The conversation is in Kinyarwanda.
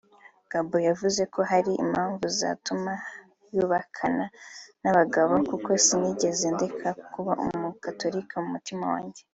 Gabor yavuze ko hariho impamvu zatuma yubakana n’abo bagabo “ kuko sinigeze ndeka kuba umukatolika mu mutima wanje